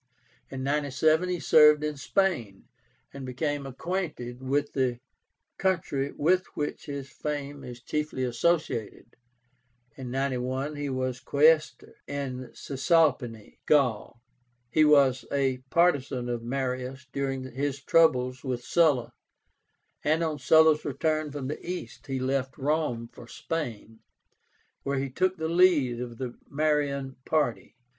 In 97 he served in Spain, and became acquainted with the country with which his fame is chiefly associated. In 91 he was Quaestor in Cisalpine Gaul. He was a partisan of Marius during his troubles with Sulla, and on Sulla's return from the East he left Rome for Spain, where he took the lead of the Marian party.